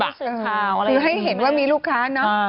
คือให้เห็นว่ามีลูกค้าเนอะ